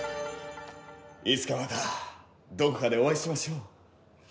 いつかまたどこかでお会いしましょう。